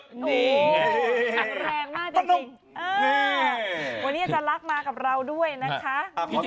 วันนี้อาจารย์ลักษณ์มากับเราด้วยนะครับ